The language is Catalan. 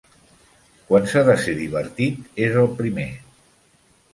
Quan s'ha de ser divertit, és el primer.